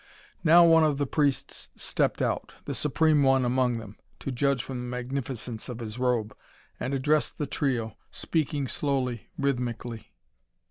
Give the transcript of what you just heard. Now one of the priests stepped out the supreme one among them, to judge from the magnificence of his robe and addressed the trio, speaking slowly, rhythmically.